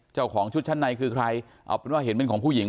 เจ้าของชุดชั้นในคือใครเอาเป็นว่าเห็นเป็นของผู้หญิง